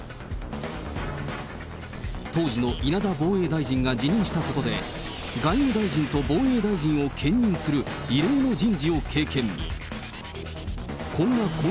当時の稲田防衛大臣が辞任したことで、外務大臣と防衛大臣を兼任する異例の人事を経験。